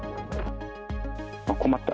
困った。